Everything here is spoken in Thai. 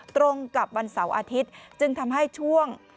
ตรงกับวันเสาร์อาทิตย์จึงทำให้ช่วง